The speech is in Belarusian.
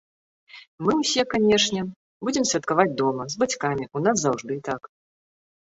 Мы ўсе, канешне, будзем святкаваць дома, з бацькамі, у нас заўжды так.